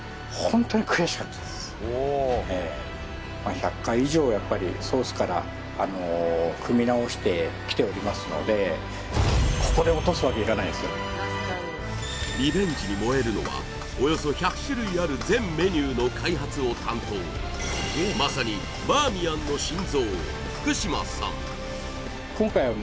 １００回以上やっぱりソースからあの組み直してきておりますのでここでリベンジに燃えるのはおよそ１００種類ある全メニューの開発を担当まさにバーミヤンの心臓福島さん